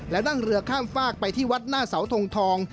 และนั่งเรือข้ามฝากไปที่วัดหน้าเสาทงทอง